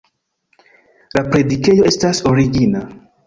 La predikejo estas origina.